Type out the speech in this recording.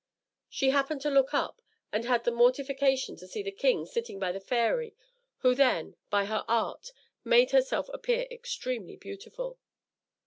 She happened to look up, and had the mortification to see the king sitting by the fairy who then, by her art, made herself appear extremely beautiful.